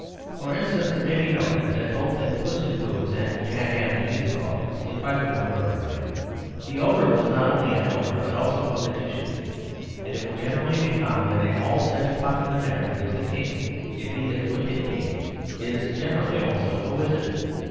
For instance, it may be noted that both in "Puss in Boots" and "Jack and the Beanstalk" if I remember aright, the ogre was not only an ogre but also a magician. And it will generally be found that in all such popular narratives, the king, if he is a wicked king, is generally also a wizard.